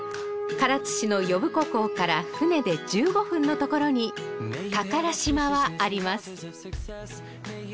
唐津市の呼子港から船で１５分の所に加唐島はあります